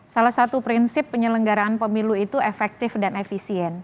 salah satu prinsip penyelenggaraan pemilu itu efektif dan efisien